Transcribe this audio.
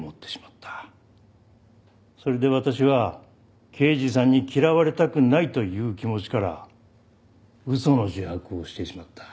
それで私は刑事さんに嫌われたくないという気持ちから嘘の自白をしてしまった。